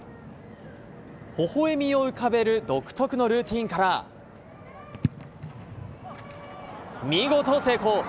ほほ笑みを浮かべる独特のルーティンから見事、成功！